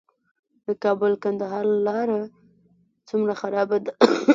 د کابل - کندهار لاره څومره خرابه ده؟